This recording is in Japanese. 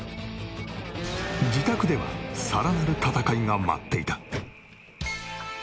自宅ではさらなる戦いが待っていた。